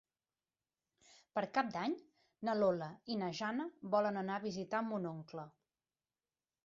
Per Cap d'Any na Lola i na Jana volen anar a visitar mon oncle.